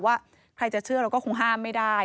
ว่าใครจะเชื่อเราก็คงห้ามไม่ได้